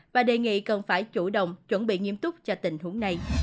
và đề nghị cần phải chủ động chuẩn bị nghiêm túc cho tình huống này